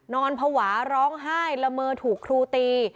นอนภาวะร้องไห้ละเมอถูกครูตี